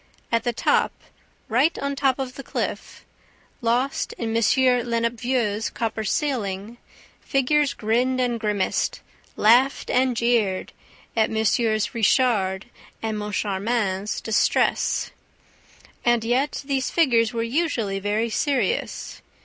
At the top, right on top of the cliff, lost in M. Lenepveu's copper ceiling, figures grinned and grimaced, laughed and jeered at MM. Richard and Moncharmin's distress. And yet these figures were usually very serious.